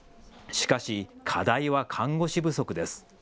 しかし課題は看護師不足です。